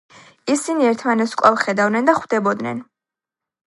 ისინი ერთმანეთს კვლავ ხედავდნენ და ხვდებოდნენ.